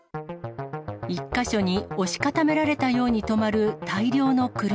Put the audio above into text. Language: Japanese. １か所に押し固められたように止まる大量の車。